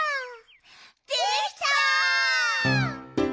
できた！